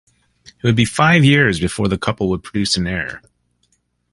It would be five years before the couple would produce an heir.